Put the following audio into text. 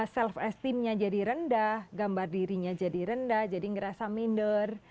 self esteemnya jadi rendah gambar dirinya jadi rendah jadi ngerasa minder